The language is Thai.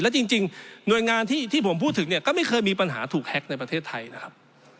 และจริงหน่วยงานที่ผมพูดถึงเนี่ยก็ไม่เคยมีปัญหาถูกแฮ็กในประเทศไทยนะครับ